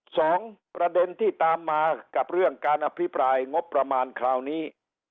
สองประเด็นที่ตามมากับเรื่องการอภิปรายงบประมาณคราวนี้